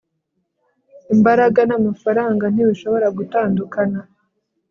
imbaraga n'amafaranga ntibishobora gutandukana